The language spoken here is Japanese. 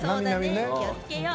気をつけよう。